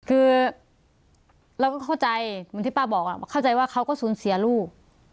คือเราก็เข้าใจเหมือนที่ป้าบอกเข้าใจว่าเขาก็สูญเสียลูก